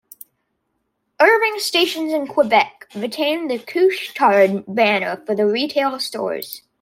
Irving stations in Quebec retain the "Couche-Tard" banner for the retail stores.